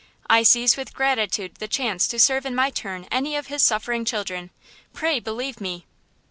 I seize with gratitude the chance to serve in my turn any of His suffering children. Pray believe me!"